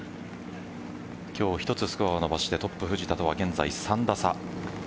今日１つスコアを伸ばしてトップ・藤田とは現在３打差。